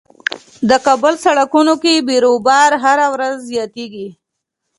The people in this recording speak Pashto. د کابل سړکونو کې بیروبار هر ورځ زياتيږي.